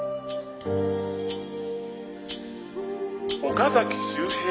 「岡崎周平。